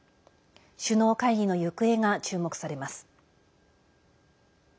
首脳会議の行方が注目されます。